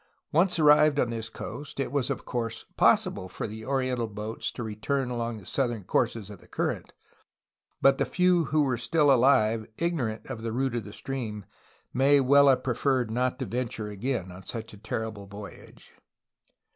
Once arrived on this coast it was of course possible for the oriental boats to return along the southern courses of the current, but the few who were still alive, ignor ant of the route of the stream, may well have preferred not to venture again on such a terrible voyage.